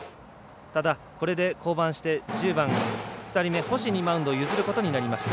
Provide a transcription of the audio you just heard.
ただ、これで降板して１０番２人目、星にマウンドを譲ることになりました。